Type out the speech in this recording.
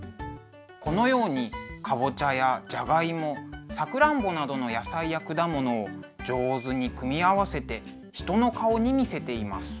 このようにかぼちゃやじゃがいもさくらんぼなどの野菜や果物を上手に組み合わせて人の顔に見せています。